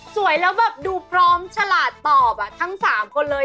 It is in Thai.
สวยแล้วแบบดูพร้อมฉลาดตอบทั้ง๓คนเลย